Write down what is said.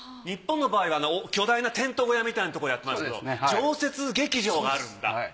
日本の場合は巨大なテント小屋みたいなとこでやってますけど常設劇場があるんだ。